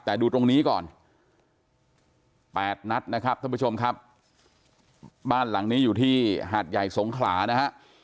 แต่ดูตรงนี้ก่อน๘นัดนะครับท่านผู้ชมครับบ้านหลังนี้อยู่ที่หาดใหญ่สงขลานะฮะ